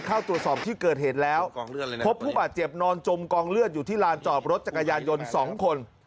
เข้าตรวจสอบที่เกิดเหตุแล้วพบผู้บาดเจ็บนอนจมกองเลือดอยู่ที่ลานจอบรถจักรยานยนต์๒คน